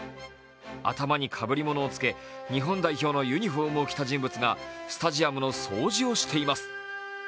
頭にかぶり物を着け、日本代表のユニフォームを着た人物がスタジアムの掃除をしています。